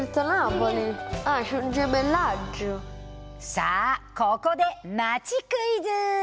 さあここでまちクイズ！